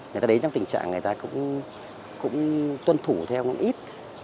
người ta đến trong tình trạng người ta cũng tuân thủ theo ngón ít